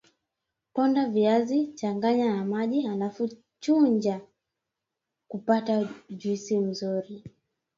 Ponda viazi changanya na maji halafu chuja kupata juisi nzuri